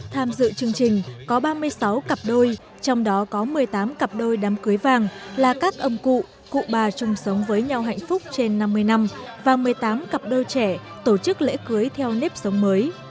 tham dự chương trình có ba mươi sáu cặp đôi trong đó có một mươi tám cặp đôi đám cưới vàng là các ông cụ cụ bà chung sống với nhau hạnh phúc trên năm mươi năm và một mươi tám cặp đôi trẻ tổ chức lễ cưới theo nếp sống mới